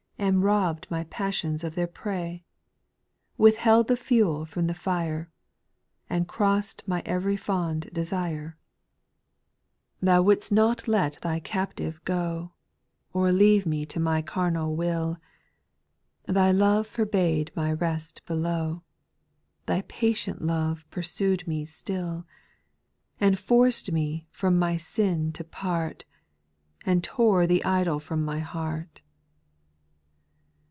And robb'd my passions of their prey— Withheld the fuel from the fire. And cross'd my ev'ry fond desire ? 23* 270 SPIRITUAL SOjYOS. 8. Thou would' st not let Thy captive go, Or leave me to my carnal will ; Thy love forbade my rest below — Thy patient love pursued me still, And forced me from my sin to part, And tore the idol from my heart.